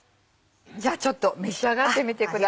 じゃあちょっと召し上がってみてください。